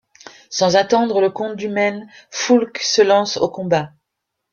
Sans attendre le comte du Maine, Foulques se lance au combat.